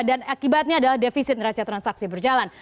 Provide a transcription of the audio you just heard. dan akibatnya adalah defisit raca transaksi berjalan